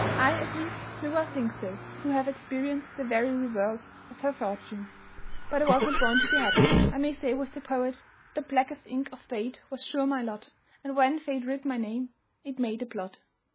I, at least, may well think so, who have experienced the very reverse of her fortune; but I was not born to be happy. I may say with the poet, "The blackest ink of fate was sure my lot, And when fate writ my name, it made a blot."